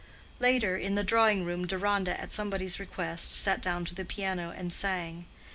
Later, in the drawing room, Deronda, at somebody's request, sat down to the piano and sang.